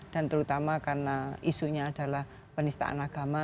dan terutama karena isunya adalah penistaan agama